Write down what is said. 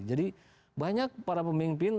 jadi banyak para pemimpin